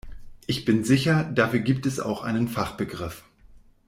Ich bin sicher, dafür gibt es auch einen Fachbegriff.